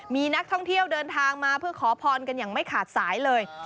มีนักท่องเที่ยวเดินทางมาเพื่อขอพรกันอย่างไม่ขาดสายเลย